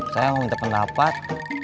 sayang mau minta pendapat